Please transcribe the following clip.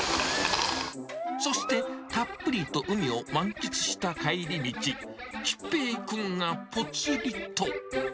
そして、たっぷりと海を満喫した帰り道、きっぺい君がぽつりと。